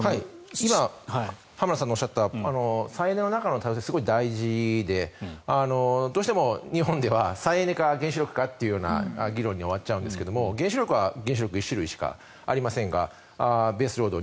今、浜田さんのおっしゃった再エネの中の多様性はすごく大事でどうしても日本では再エネか原子力かという議論に終わっちゃうんですが原子力は原子力１種類しかありませんがベースロード